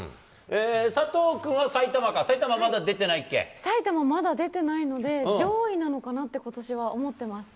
佐藤君は埼玉か、埼玉まだ出埼玉、まだ出てないので、上位なのかなってことしは思ってます。